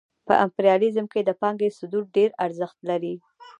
په امپریالیزم کې د پانګې صدور ډېر ارزښت لري